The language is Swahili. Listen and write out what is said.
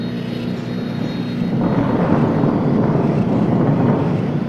Nisimamishe uchumi kisha tutatizama mengine